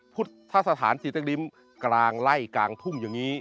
พุทธสถานจิตริมกลางไล่กลางทุ่งอย่างนี้